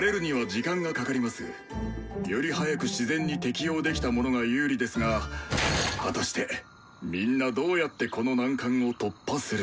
より早く自然に適応できた者が有利ですが果たしてみんなどうやってこの難関を突破するか。